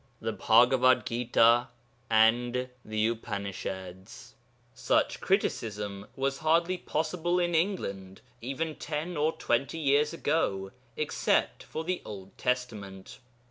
THE BHAGAVAD GITA AND THE UPANISHADS Such criticism was hardly possible in England, even ten or twenty years ago, except for the Old Testament.